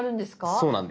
そうなんです。